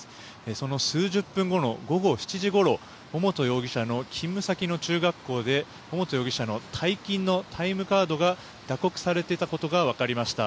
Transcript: その数十分後の午後７時ごろ尾本容疑者の勤務先の中学校で尾本容疑者の退勤のタイムカードが打刻されていたことが分かりました。